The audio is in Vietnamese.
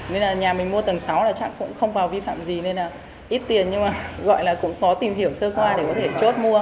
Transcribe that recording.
nên là nhà mình mua tầng sáu là chắc cũng không vào vi phạm gì nên là ít tiền nhưng mà gọi là cũng có tìm hiểu sơ qua để có thể chốt mua